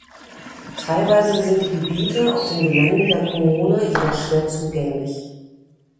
Teilweise sind die Gebiete auf dem Gelände der Kommune jedoch schwer zugänglich.